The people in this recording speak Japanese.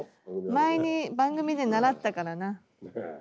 前に番組で習ったからな。